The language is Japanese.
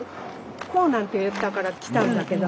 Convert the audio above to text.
「来ぉ」なんて言ったから来たんだけど。